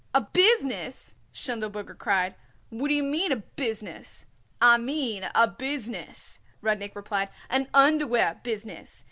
"A business!" Schindelberger cried. "What d'ye mean, a business?" "I mean a business," Rudnik replied, "an underwear business.